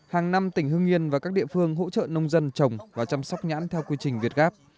hàng năm tỉnh hưng yên và các địa phương hỗ trợ nông dân trồng và chăm sóc nhãn theo quy trình việt gáp